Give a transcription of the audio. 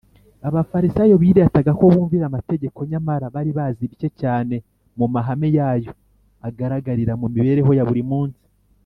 abafarisayo birataga ko bumvira amategeko nyamara bari bazi bike cyane mu mahame yayo agaragarira mu mibereho ya buri munsi,